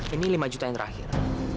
ini lima juta yang terakhir